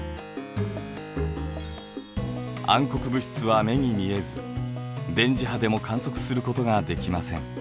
暗黒物質は目に見えず電磁波でも観測することができません。